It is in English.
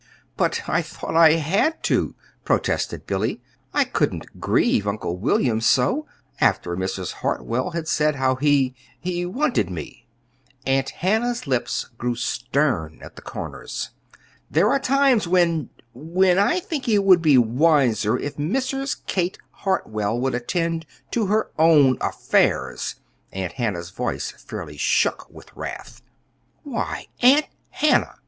"But I thought I had to," protested Billy. "I couldn't grieve Uncle William so, after Mrs. Hartwell had said how he he wanted me." Aunt Hannah's lips grew stern at the corners. "There are times when when I think it would be wiser if Mrs. Kate Hartwell would attend to her own affairs!" Aunt Hannah's voice fairly shook with wrath. "Why Aunt Hannah!"